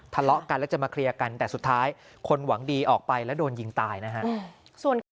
ทะเลาะกันแล้วจะมาเคลียร์กันแต่สุดท้ายคนหวังดีออกไปแล้วโดนยิงตายนะฮะ